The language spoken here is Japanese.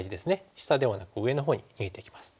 下ではなく上のほうに逃げていきます。